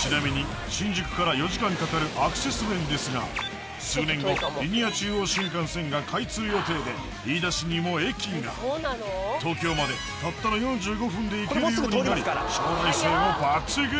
ちなみに新宿から４時間かかるアクセス面ですが数年後リニア中央新幹線が開通予定で飯田市にも駅が東京までたったの４５分で行けるようになり将来性も抜群！